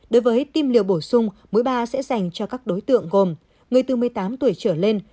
đối với tim liều bổ sung mỗi ba sẽ dành cho các đối tượng gồm người từ một mươi tám tuổi trở lên